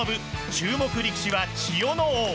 注目力士は千代ノ皇。